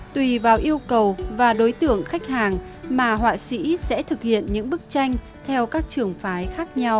tùy vào yêu cầu và đối tượng khách hàng mà họa sĩ sẽ thực hiện những bức tranh theo các trường phái khác nhau